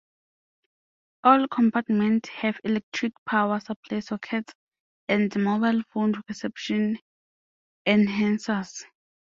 All compartments have electric power supply sockets and mobile phone reception enhancers.